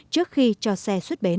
trước khi cho xe xuất bếp